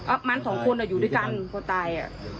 อ้าวมันสองคนอยู่ด้วยกันคนตาย